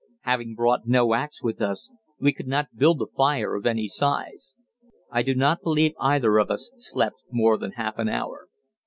Having brought no axe with us, we could not build a fire of any size. I do not believe either of us slept more than half an hour.